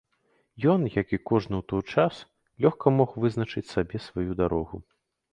Ён, як і кожны ў той час, лёгка мог вызначыць сабе сваю дарогу.